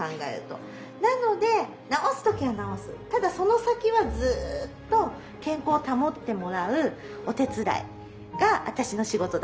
ただその先はずっと健康を保ってもらうお手伝いが私の仕事だと思ってます。